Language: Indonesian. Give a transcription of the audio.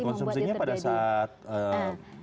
karena proses fermentasi membuatnya terjadi